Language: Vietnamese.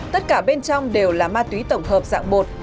tất cả bên trong đều là ma túy tổng hợp dạng bột